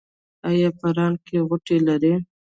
ایا په ران کې غوټې لرئ؟